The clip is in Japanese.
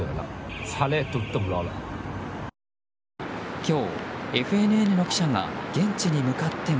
今日、ＦＮＮの記者が現地に向かっても。